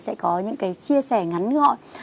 sẽ có những cái chia sẻ ngắn gọi